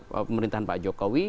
pemerintahan pak jokowi